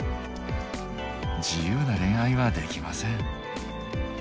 自由な恋愛はできません。